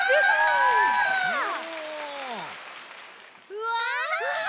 うわ！